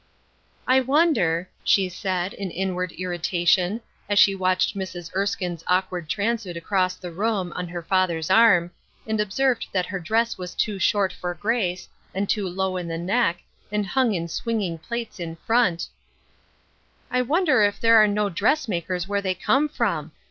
" I wonder," she said, in inward imtation, as she watched Mrs. Erskine's awkward transit across the room, on her father's arm, and ob served that her dress was too short for grace, and too low in the neck, and hung in swinging plaits in front — "I wonder if there are no dress makers where they came from